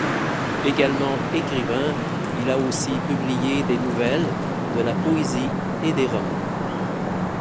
Également écrivain, il a aussi publié des nouvelles, de la poésie et des romans.